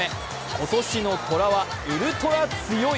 今年のトラはウルトラ強い。